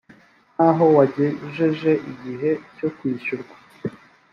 nk aho wagejeje igihe cyo kwishyurwa